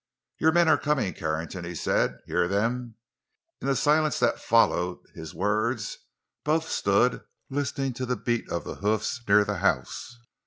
"Your men are coming, Carrington," he said—"hear them?" In the silence that followed his words both stood, listening to the beat of hoofs near the house.